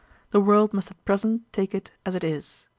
The world must at present take it as it is.